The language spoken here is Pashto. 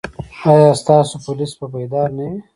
ایا ستاسو پولیس به بیدار نه وي؟